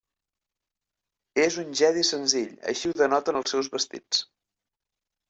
És un jedi senzill, així ho denoten els seus vestits.